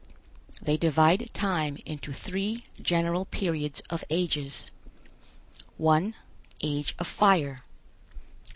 They divide time into three general periods of ages: 1. Age of Fire.